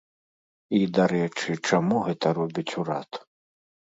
І, дарэчы, чаму гэта робіць урад?